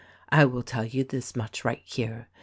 "I will tell vou this much right here.